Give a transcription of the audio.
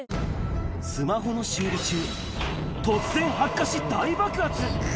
スマホの修理中、突然発火し、大爆発。